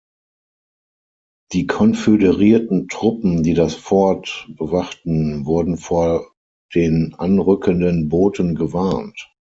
Die konföderierten Truppen, die das Fort bewachten, wurden vor den anrückenden Booten gewarnt.